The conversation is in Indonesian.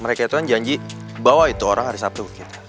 mereka itu kan janji bawa itu orang hari sabtu